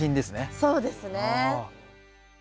そうですね。